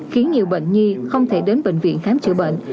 khiến nhiều bệnh nhi không thể đến bệnh viện khám chữa bệnh